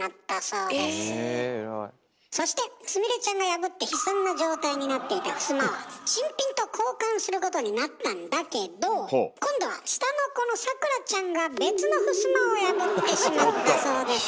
そしてすみれちゃんが破って悲惨な状態になっていたふすまは新品と交換することになったんだけど今度は下の子のさくらちゃんが別のふすまを破ってしまったそうです。